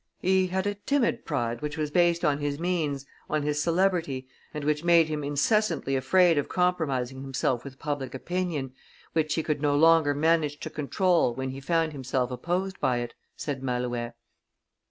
"He had a timid pride which was based on his means, on his celebrity, and which made him incessantly afraid of compromising himself with public opinion, which he could no longer manage to control when he found himself opposed by it," said Malouet.